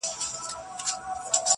دا د مرګي له چېغو ډکه شپېلۍ!.